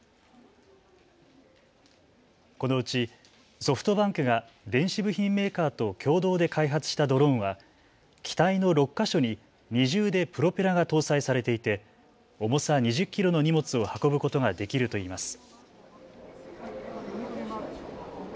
このうちソフトバンクが電子部品メーカーと共同で開発したドローンは機体の６か所に二重でプロペラが搭載されていて重さ２０キロの荷物を運ぶことができるといいます。